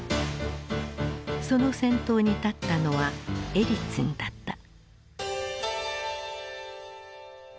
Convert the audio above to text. その先頭に立ったのはエリツィンだった。